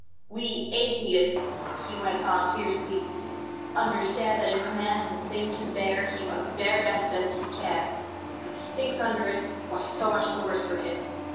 "We atheists," he went on fiercely, "understand that if a man has a thing to bear, he must bear it as best he can; and if he sinks under it why, so much the worse for him.